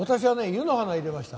湯の花を入れました。